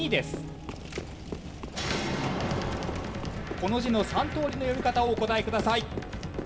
この字の３通りの読み方をお答えください。